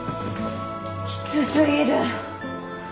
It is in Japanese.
きつ過ぎる！